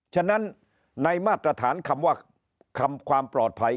ฉะนั้นในมาตรฐานคำว่าคำความปลอดภัย